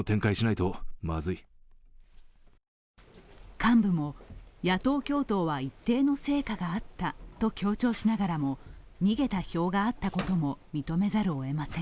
幹部も、野党共闘は一定の成果があったと強調しながらも逃げた票があったことも認めざるをえません。